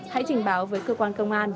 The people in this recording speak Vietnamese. hãy trình báo với cơ quan công an